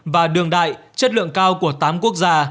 và đường đại chất lượng cao của tám quốc gia